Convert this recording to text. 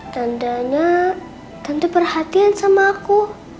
tandanya tentu perhatian sama aku